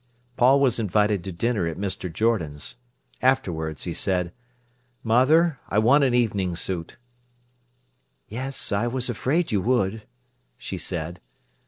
Paul was invited to dinner at Mr. Jordan's. Afterwards he said: "Mother, I want an evening suit." "Yes, I was afraid you would," she said.